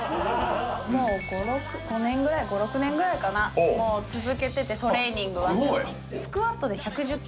もう５年ぐらい５６年ぐらいかなもう続けててトレーニングはえっ？